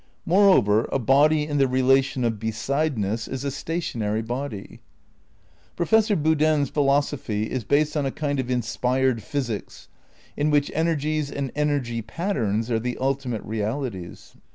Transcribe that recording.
Moreover a body in the relation of besideness is a stationary body. Professor Boodin's philosophy is based on a kind of inspired physics in which energies and "energy pat terns" are the ultimate realities.